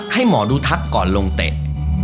สวัสดีครับ